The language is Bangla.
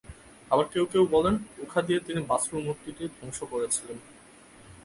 আবার কেউ কেউ বলেন, উখা দিয়ে তিনি বাছুর মূর্তিটি ধ্বংস করেছিলেন।